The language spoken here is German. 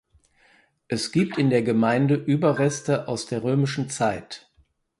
Es gibt in der Gemeinde Überreste aus der römischen Zeit.